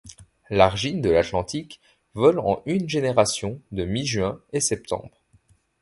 L'Argynne de l'Atlantique vole en une génération de mi-juin et septembre..